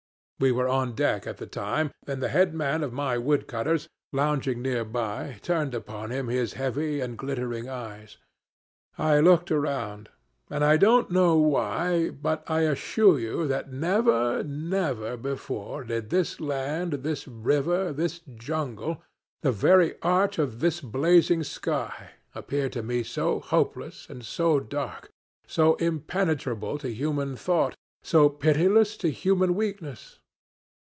We were on deck at the time, and the headman of my wood cutters, lounging near by, turned upon him his heavy and glittering eyes. I looked around, and I don't know why, but I assure you that never, never before, did this land, this river, this jungle, the very arch of this blazing sky, appear to me so hopeless and so dark, so impenetrable to human thought, so pitiless to human weakness.